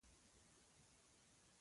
ټوپک ته یې لاس کړ.